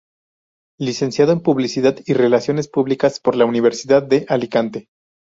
Licenciado en Publicidad y Relaciones Públicas por la Universidad de Alicante.